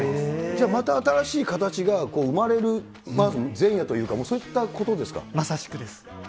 じゃあ、また新しい形が生まれる場、前夜というか、そういったことでまさしくです。